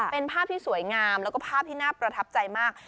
เป็นภาพที่สวยงามแล้วก็ภาพที่น่าประทับใจมาก